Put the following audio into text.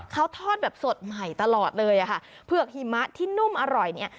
เขาทอดแบบสดใหม่ตลอดเลยอ่ะค่ะเผือกหิมะที่นุ่มอร่อยเนี่ย